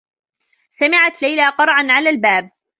سمعت ليلى قرعا على الباب.